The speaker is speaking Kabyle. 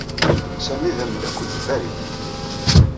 Sami ad amdakkel n Farid.